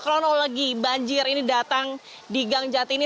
kronologi banjir ini datang di gangjati ini